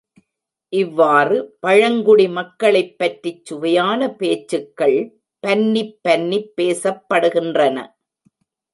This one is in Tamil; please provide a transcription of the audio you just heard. இவ்வாறு பழங்குடி மக்களைப் பற்றிச் சுவையான பேச்சுக்கள் பன்னிப் பன்னிப் பேசப்படுகின்றன.